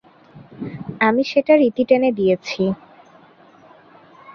আমি সেটার ইতি টেনে দিয়েছি।